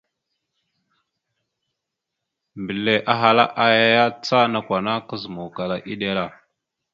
Mbile ahala aya ya, ca nakw ana kazǝmawkala eɗel a.